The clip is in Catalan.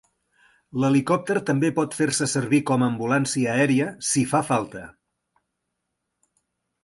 L'helicòpter també pot fer-se servir com a ambulància aèria si fa falta.